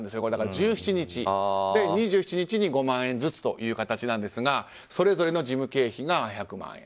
１７日と２７日に５万円ずつということなんですがそれぞれの事務経費が１００万円。